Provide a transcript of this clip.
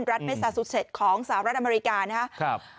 รัฐมเมศาสตร์สูตรเฉศสหรัฐอเมริกานะครับ